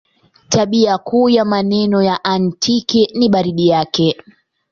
Tabia kuu ya maeneo ya Aktiki ni baridi yake.